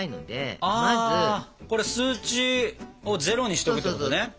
あこれ数値をゼロにしておくってことね。